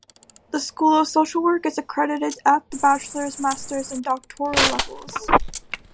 The School of Social Work is accredited at the bachelor's, master's and doctoral levels.